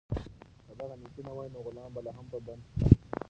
که دغه نېکي نه وای، نو غلام به لا هم په بند کې و.